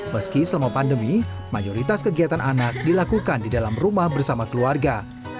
meski selama pandemi mayoritas kegiatan anak dilakukan di dalam rumah bersama keluarga